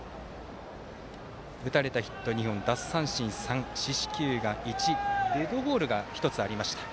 打たれたヒット２本奪三振３四死球が１デッドボールが１つありました。